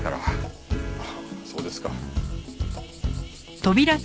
あっそうですか。